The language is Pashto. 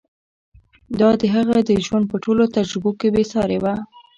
دا د هغه د ژوند په ټولو تجربو کې بې سارې وه.